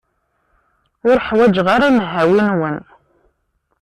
Ur ḥwaǧeɣ ara nnhawi-nwen.